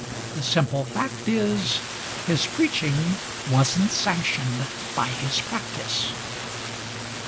The simple fact is, His preaching was n't sanctioned by his practice.